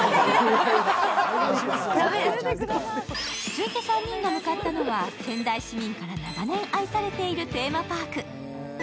続いて３人が向かったのは、仙台市民から長年愛されているパーク。